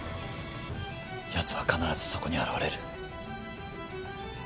やつは必ずそこに現れる。